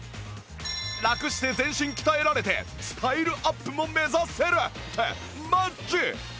ラクして全身鍛えられてスタイルアップも目指せるってマジ？